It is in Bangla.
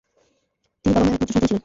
তিনি বাবা মায়ের একমাত্র সন্তান ছিলেন।